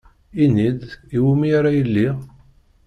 Ini-d, iwumi ara iliɣ?